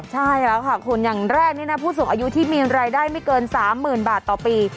ใช่แล้วค่ะคุณอย่างแรกนี่นะผู้สูงอายุที่มีรายได้ไม่เกิน๓๐๐๐บาทต่อปี